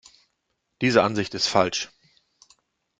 Diese Ansicht ist falsch.